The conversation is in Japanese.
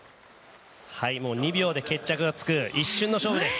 もう２秒で決着がつく一瞬の勝負です。